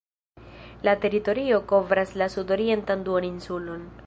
La teritorio kovras la sudorientan duoninsulon.